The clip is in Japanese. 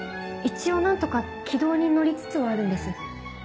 一応何とか軌道に乗りつつはあるんです。